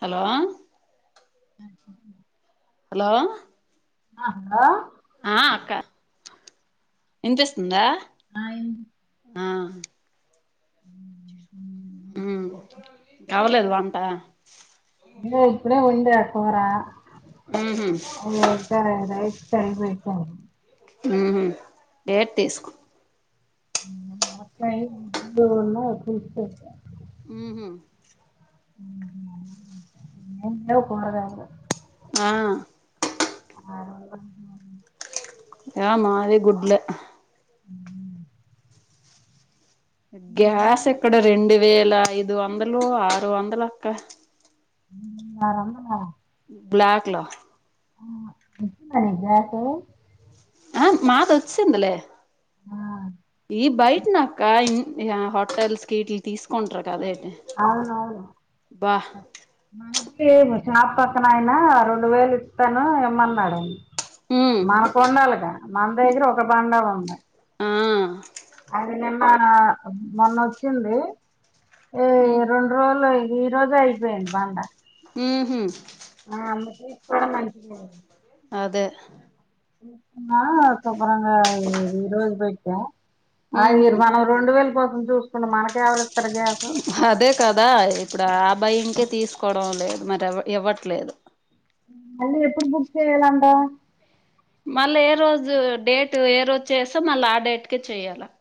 Hello! [unintelligible] అ hello ఆ, hello. ఆ అక్క, ఇనిపిస్తుందా? ఆయి [inaudible] [unintelligible] అవ్వలేదు వంట. ఇంగ ఇప్పుడే ఉందా తర ఉహు నిర్ధారనై [unintelligible] తెై వయి ఉ హు ఏట్ తీసుకో నేను మాట్లాడేది [unintelligible] ఉ హు ఇంట్లో కూరగాయలు ఆ [unintelligible] ఆ యా మాది గుడ్లే గ్యాస్ ఏమంటుంది? ఎక్కడ రెండు వేల ఐదు ఐదు వందలు ఆరు వందలక్క అర బ్లాక్ లో ఆ వచ్చిందా అండీ గ్యాస్ ఆ మాకు వచ్చేసిందిలే ఈ బయట నాక్క ఇం ఇగ హోటల్స్ కి వీట్లకి తీసుకొంటారు. అవునవును బా లేవ షాప్ పక్కన ఆయనా రెండు వేలు ఇస్తాను ఇమ్మన్నాడుడి ఉమ్ మన కొండాలిగా మన దగ్గర ఒక బండలు ఉన్నాయి ఆ అది నేను ఆ మొన్న వచ్చింది ఏ ఉమ్ రెండు రోజులుయి ఈ రోజే అయిపోయింది బాంద హహ్మ్ ఆ అమ్మ తీసుకోవడం మంచిదే అదే ఆ సూపెరంగా ఈ రోజు పోయి క ఆ ఉహు ఇరు మనం రెండు వెలుకోసం చూసుకుం మనక ఎవ అదే కదా ఇప్పుడు భయకి తీసుకోవడం లేదు మరి ఇవ్వట్లేదు అంటే ఎప్పుడు బుక్ చెయ్యాలంట మళ్ళా ఏ రోజు డేట్ ఏ రోజు చేస్తే మళ్ళీ ఆ డేట్కే చెయ్యాలి అక్క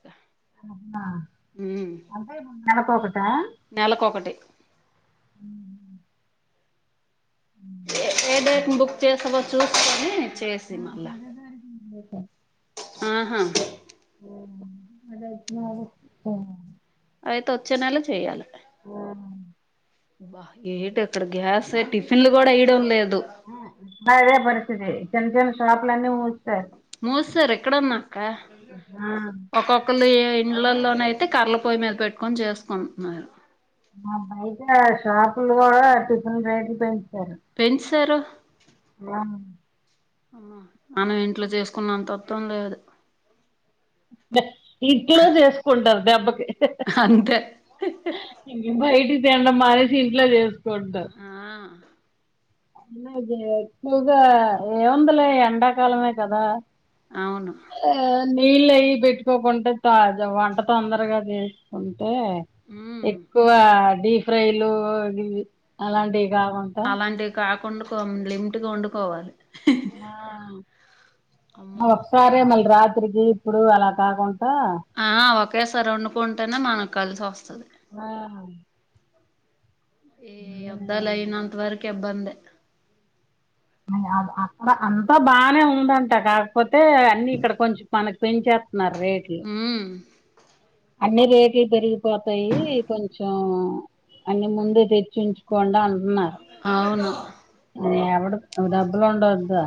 అ ఆ అంటే నాలాక్ ఒకట నెలకఒకటి హమ్ ఏద బక్తిస వస్త చూసుకొని చేసి హా మళ్ళా బరగాసిదె ఆహా ఆ అదతు మా అయితే వచ్చే నెల చెయ్యాలి ఆ బా ఏంటి అక్కడ గ్యాస్ టిఫిన్లు కూడా ఇయడం లేదు అదే పరిస్తితి చిన్న చైనా షాపులను ముసి మోసర ఎక్కడన్నా ఇకా ఆ ఒకొక్కళ ఇండ్లలోన అయితే కరల పొయ్యి మీద పెట్టుకొని చేసుకుంటున్నారు బయట షాపులు కూడా టిఫిన్ రేట్లు పెంచారు పెంచసారు ఆ అ మనం ఇంట్లో చేసుకున్నంత ఉత్తం లేదు. య ఇంట్లో చేసుకుంటారు. దెబ్బకి హ్హ్హ్ అంతే ఎక బయటి తినడం మానేసి ఇంట్లో చేసుకుంటారు. ఆ అదే ఎక్కువుగా ఏముందలే ఎండాకాలమే కదా. అవును ఆ నీళ్ళు అయ్య పెట్టుకోకుంటడా తాజ వంట తొందరగా చేసుకోంది. ఏ ఉమ్ ఎక్కువ డీ ఫ్రై లు దీ అలాంటివి కాకుండా వండుకొం లిమిట్గా వండుకోవాలి. ఆ అమ్మో ఒక్కసారే మళ్ళీ రాదు. [unintelligible] కి ఇప్పుడు అలా కాకుండా ఆ ఒకే సారి వండుకుంటేనే మన కలిసి వస్తది. ఆహ ఈ అబ్దాల అయినంత వరకె ఇబ్బందె అ అక్క అంతా బానే ఉందంట కాకపోతే తే అన్ని ఇక్కడ కొంచెం మనకి పెంచాం నా రేట్లు ఉమ్ అన్ని రేటులు పెరిగిపోతాయి కొంచెం అన్ని ముందు తెచ్చించుకోండా అ ఉన్నారు అవును ఎవడు డబ్బలు ఉండొద్దా.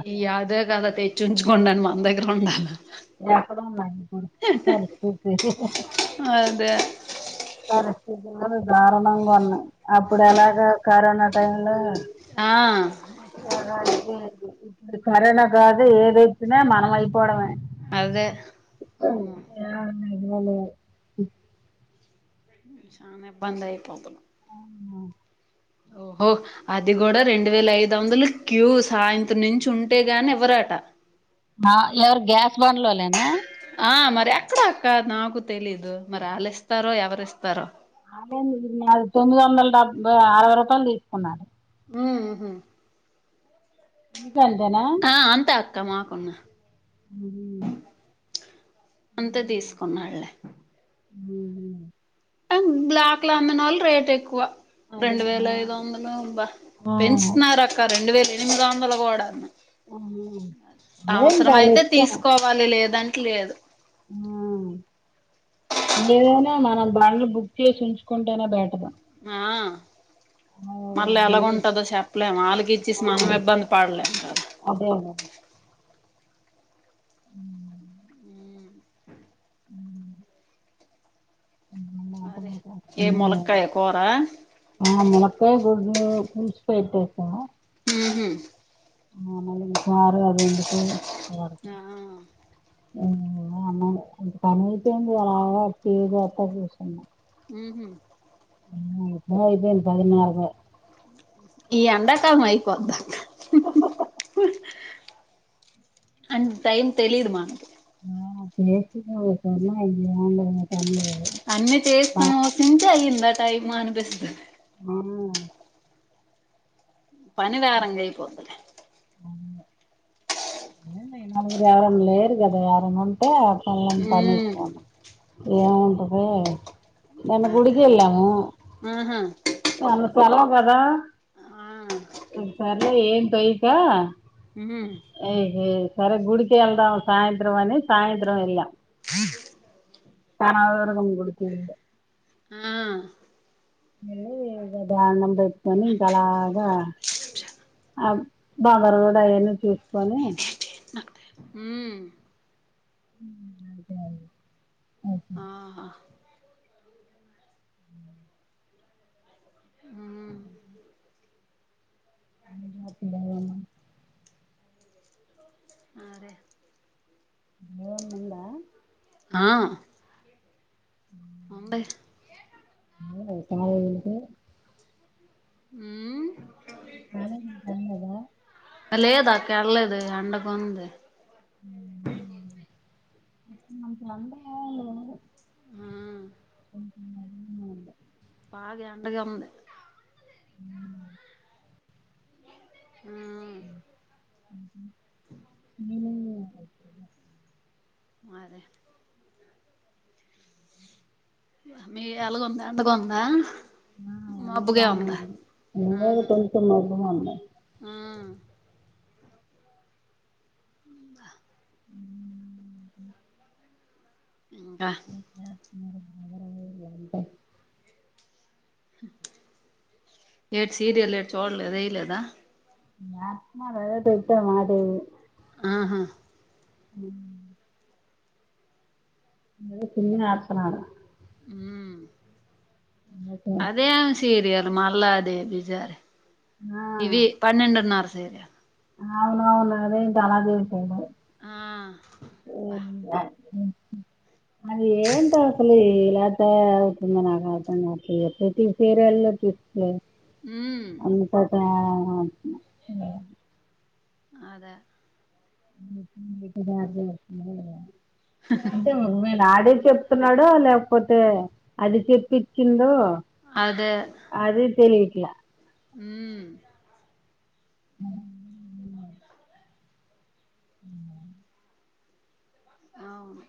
దల తేచ్చుంచ్చు కొండను మన దగ్గర ఉండాల ఎక్కడ ఉన్నాయి ఇప్పుడు పరిస్థితి [unintelligible] అదే పరిస్థితి దారణంగా ఉన్నా అప్పుడు ఎలాగా కరోనా [unintelligible] ఆ ఎరఅయిది ఇప్పుడు కరోనా కాదు ఏదొచ్చిన మనంమయిపోవడమె. అదే ఆమ్మో ఏమోలే షాన ఇబ్బందయిపోతున్నా ఓహో అది కూడా రెండు వేల ఐదు వందలు క్యూ సాయంత్రం నుంచి ఉంటే గాని ఎవ్వరాట ఎవరు గ్యాస్ బన్లోలేనా ఆ మరి ఎక్కడ అక్క నాకు తెలీదు మరి వాళ్ళ ఇస్తారో ఎవరిస్తా అదేం అది తొమ్మిది వందల డెబ్బై అరవై రూపాయలు తీసుకున్నారు ఉహు మీక్ అంతే నా క్కమాకున్నా ఉ హు అంతా తీసుకున్నాడుళ్లే బ్లాక్ లో అందనోళ్ళు రేట్ ఎక్కువ అదే రెండు ఆ వేల ఐద వందలు బా ఆ పెంచుతున్నారక్క రెండు వేల ఎనిమిది వందల కోడాను అదే ఇంకా అవసరం వాళ్ళ అయితే ఇష్టం తీసుకోవాలి లేదం లేదు ఏదైనా మనం బంని బుక్ చేసి ఉంచుకుంటేనే బెటర్ ఆ మళ్ళీ ఎలాగ ఉంటందో చెప్పలేము ఆళ్ళకి ఇచ్చిసి మనం ఇబ్బంది పడలేము కదా అదే ఉమ్ ఉం అరే ఏ అదే మొలక్కయ కోరా ఒ పులుసుపెట్టేసా ఉహుం ఆ న మీకు చారు అదే ఎందుకు ఆహా అన్నడు పని అపోయింది అలాగా [unintelligible] కూసున్న ఉహు ఉం ఎప్పుడో అయిపోయింది పదిన్నరకే ఈ ఎండ కాలం అయిపోద్దా పో అండ్ టైం తెలీదు మా [unintelligible] అన్నీ ఆ చేస్తాను. ఒక ఇంచే అయ్యింద ఆ తాయి మనీపిస్త అ పని వరంగకాయి పోంద నలుగురు యారాలు లేరు గద ఎవరన్నఉంటే పల్లం పని ఉమ్ ఎక్కువనా ఏముంటది. నిన్న గుడికి ఎళ్ళాము. ఉహ్ సెలవు కదా సర్లే ఏం తొయకా ఉమ్ ఏ సరే గుడికి వెళ్దాం సాయంత్రం అని సాయంత్రం ఏళ్ళా చానా రోజులు అయ్యింది. గుడికి వెళ్లి ఆ వెళ్ళి ఇగ దండం పెట్టుకొని ఇంకా అలాగా ఆ బంగారు కూడా అయాన్నీ చూసుకొని ఉమ్ హుమ్ అదే అదే ఆహా ఉమ్ [unintelligible] అదే ఏమన్నా ఉందా ఆ అ [inaudible] ఉంది [unintelligible] ఉమ్ [unintelligible] లేదు అక్క ఏళ్ళలేదు. ఎండగుంది ఆ [unintelligible] బాగ ఎండగా ఉంది. [unintelligible] ఉమ్ [unintelligible] అ [inaudible] మరే మీకు ఏలాగ ఉంది. ఎండగ ఉందా ఆ అన్ని బాగానే ఉంది. ఉమ్ [unintelligible] మబ్బుగా ఉంది ఉమ్ ఉందా ఇంకా అా [inaudible] [unintelligible] అయ్యింది వంట ఏటీ సీరియల్ ఏటి చూడలేదు ఏయ్యలేదా [unintelligible] ఆహా హుమ్ [unintelligible] నను హుమ్ ఓకే అదెం సీరియల్ మల్లా అదే బి జారే ఆ ఇది పన్నేండున్నర సీరియల్ అవునవును అదేంటి అలాచేసినవ్ ఆ భ [inaudible] అది ఏంటి ఆసలు ఇలా [unintelligible] నాకు అర్థంకావట్లేదు ప్రతి సీరియల్ చూస్తాలే ఉమ్ అంతటా [unintelligible] అదే హ్ అంటే మీ డాడి చెప్తున్నాడ లేప్ పోతే అది చెప్ పిచ్చిందో అదే అది తెలియట్లా హ్మ్ అవును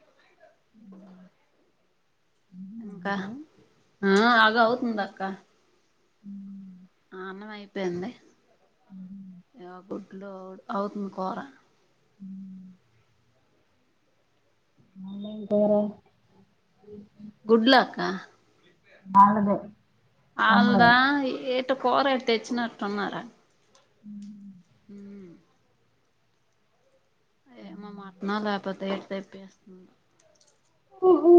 ఇంకా ఆ ఆగ అవుతుందక్క అ అన్నమైపోయింది ఎ గుట్లోడు అవుతుంది కూర మళ్లెం కూర గుడ్లు అక్క ఆళ్లదే ఆల్దా ఎ కూర ఎటి తేచ్చినట్టున్నారు ఉం ఏ మో మటనలే పోతే ఏ తేప్పేస్తంది ఓహో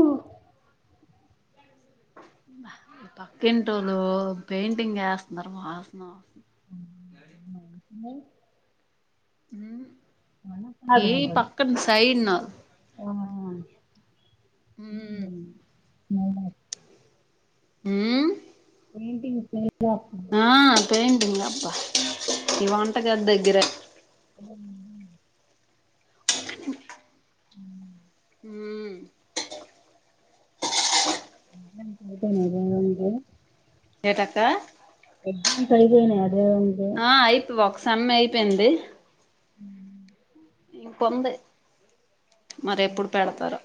పక్కింటోళ్ళు పెయింటింగ్ వేస్తన్నారు వాసన ఉ ఉం కాదు ఏ పక్కన్న సైడ్న ఆ మ్మ్ మ్మ్ ఉం పెయింటింగ్ పే ఆ తెన్ ఈ అబ్బా ఇ వంట గది దగ్గర [unintelligible] ఉ ఉహు అదనేద ఉంది ఏటక్క ఎగ్జామ్స్ అయిపోయినాయట ఆ [unintelligible] అయిపో ఒక సెమ్ అయిపోయింది మ్మ్ ఇంకుంది మరి ఎప్పుడు పెడతారో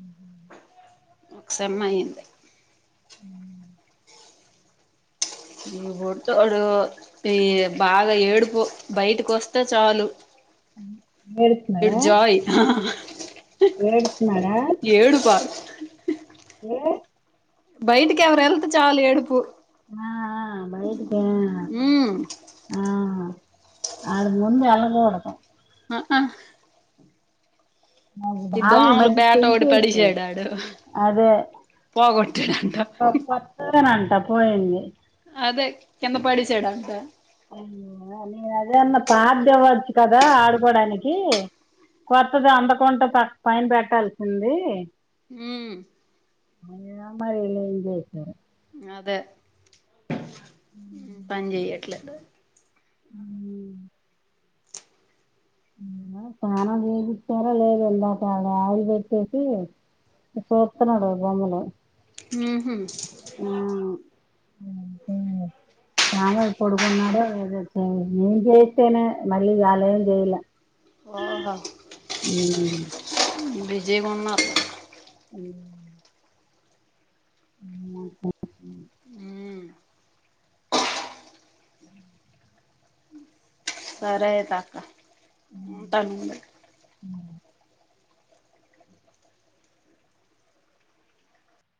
మ్మ్ హ్మ్ ఒక సెమ్ అయింది మ్మ్ ఈ బుడ్డోడు ఈ బాగా ఏడుపు బయటకొస్తే చాలు ఇడు ఏడుస్తున్నాడా జాయ్ ఏడుస్తున్నాడా ఏడుపా ఏ బయటికెవర ఎళ్తే చాలు ఏడుపు ఆ బయటిక ఉమ్ ఆ వల్ల ముందు వెళ్ళకూడదు ఆ ఆ నాకు ఈ బాగా దోమలు మధ్య బ్యాట్ ఒకటి పెంచేసాడు పడేసాడు ఆడు అదే పోగొట్టాడంట సన అంట పోయింది అదే కింద పడేసాడంట అయ నేను అదేన్నా పాతది ఇవ్వచ్చు కదా ఆడుకోడానికి కొత్తది అందకుండా పక్క పైన పెట్టాల్సింది మ్మ్ అ మరి ఏంచేస్తాం అదే పని చెయట్లే హ్మ్మ్ సానం చేపించారా లేద ఎందాక ఆయిలు పెట్టేసి చూస్తున్నాడు బొమ్మలు మ్మ్ హ్మ్ [unintelligible] రాముగాడు పడుకున్నాడో ఏదో చేసి నేం చేస్తేనే మళ్ళీ ఆలేం చేయల ఓహో విజయ్ కొన్న మ్మ్ [unintelligible] ఉమ్ సరే ఐతక్క ఉంటాను